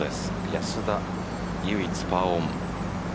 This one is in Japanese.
安田、唯一パーオン。